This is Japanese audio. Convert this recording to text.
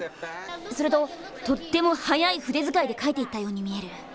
それととっても速い筆遣いで描いていったように見える。